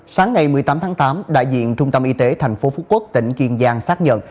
sáng ngày một mươi tám tháng tám đại diện trung tâm y tế tp phú quốc tỉnh kiên giang xác nhận